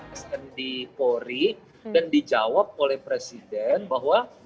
asn di polri dan dijawab oleh presiden bahwa